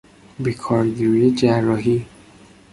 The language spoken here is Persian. به کارگیری جراحی